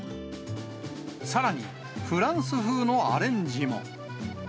さらに、フランス風のアレンジも。